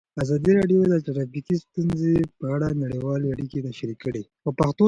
ازادي راډیو د ټرافیکي ستونزې په اړه نړیوالې اړیکې تشریح کړي.